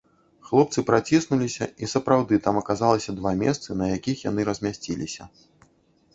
Хлопцы праціснуліся, і сапраўды там аказалася два месцы, на якіх яны і размясціліся.